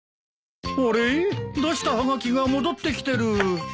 出したはがきが戻ってきてる。